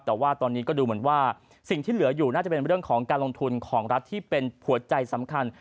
แต่ว่าตอนนี้ก็ดูเหมือนว่าสิ่งที่เหลืออยู่น่าจะเป็นเรื่องของการลงทุนของรัฐที่เป็นหัวใจสำคัญ